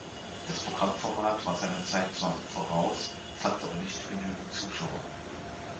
Das Programmformat war seiner Zeit zwar voraus, fand aber nicht genügend Zuschauer.